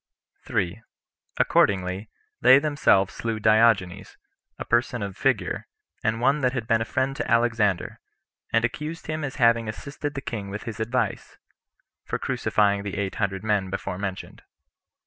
3. Accordingly, they themselves slew Diogenes, a person of figure, and one that had been a friend to Alexander; and accused him as having assisted the king with his advice, for crucifying the eight hundred men [before mentioned.